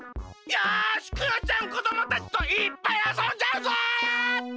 よしクヨちゃんこどもたちといっぱいあそんじゃうぞ！